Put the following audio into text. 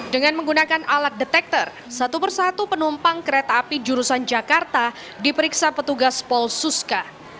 dengan menggunakan alat detektor satu persatu penumpang kereta api jurusan jakarta diperiksa petugas polsuska